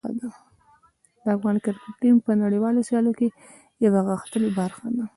د افغان کرکټ ټیم په نړیوالو سیالیو کې یوه غښتلې برخه ده.